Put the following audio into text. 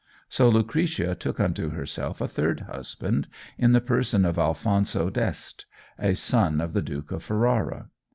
So Lucretia took unto herself a third husband in the person of Alphonso d'Este, a son of the Duke of Ferrara.